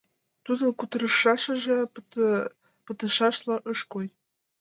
Тудын кутырышашыже пытышашла ыш кой.